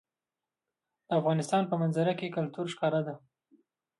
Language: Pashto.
د افغانستان په منظره کې کلتور ښکاره ده.